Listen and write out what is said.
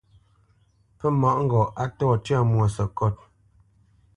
Pə́ mâʼ ŋgɔʼ a ntô tyə̂ mwo sekot.